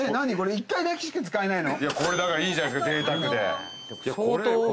１回だけしか使えないの？